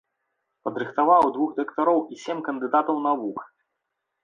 Падрыхтаваў двух дактароў і сем кандыдатаў навук.